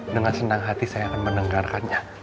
dengan senang hati saya akan mendengarkannya